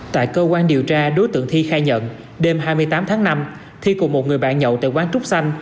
tại cơ quan điều tra đối tượng thi khai nhận đêm hai mươi tám tháng năm thi cùng một người bạn nhậu tại quán trúc xanh